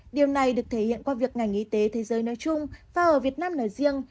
điều này được thể hiện qua việc ngành y tế thế giới nói chung và ở việt nam nói riêng